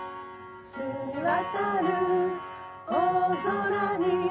澄み渡る大空に